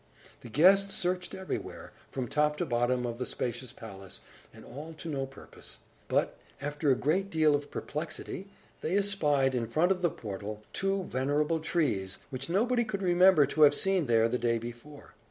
The guests searched everywhere, from top to bottom of the spacious palace, and all to no purpose. But, after a great deal of perplexity, they espied, in front of the portal, two venerable trees, which nobody could remember to have seen there the day before.